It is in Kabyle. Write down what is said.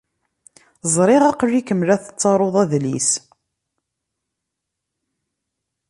Ẓriɣ aql-ikem la tettarud adlis.